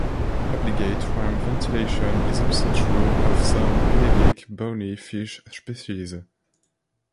Obligate ram ventilation is also true of some pelagic bony fish species.